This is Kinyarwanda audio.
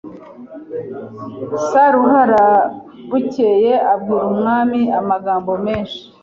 Saruhara Bukeye abwira umwami amagambo menshi